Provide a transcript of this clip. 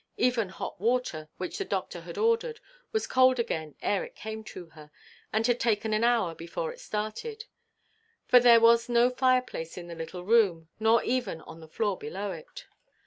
Even hot water, which the doctor had ordered, was cold again ere it came to her, and had taken an hour before it started; for there was no fireplace in the little room, nor even on the floor below it.